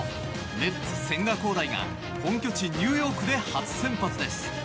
メッツ、千賀滉大が本拠地ニューヨークで初先発です。